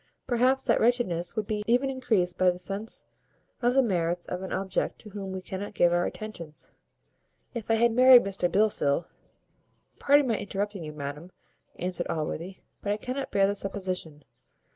Perhaps that wretchedness would be even increased by a sense of the merits of an object to whom we cannot give our affections. If I had married Mr Blifil " "Pardon my interrupting you, madam," answered Allworthy, "but I cannot bear the supposition.